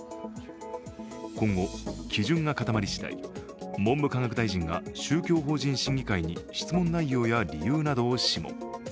今後、基準が固まり次第、文部科学大臣が宗教法人審議会に質問内容や理由などを諮問。